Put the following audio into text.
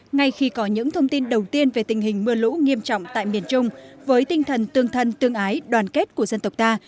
ngay khi có những thông tin đầu tiên về tình hình mưa lũ nghiêm trọng tại miền trung với tinh thần tương thân tương ái đoàn kết của dân tộc ta